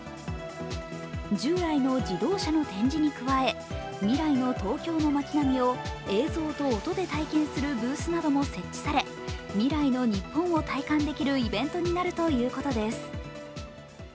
従来の自動車の展示に加え未来の東京の街並みを映像と音で体験するブースなども設置され、未来の日本を体感できるイベントになるということです。